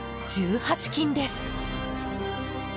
１８金です。